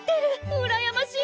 うらやましい！